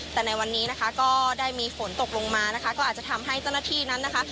แต่ในวันนี้นะคะก็ได้มีฝนตกลงมานะคะก็อาจจะทำให้เจ้าหน้าที่นั้นนะคะ